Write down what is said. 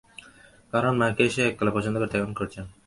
কারণ মাকে সে এককালে পছন্দ করত, এখন করছে না।